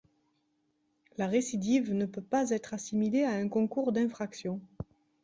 La récidive ne peut pas être assimilée à un concours d'infraction.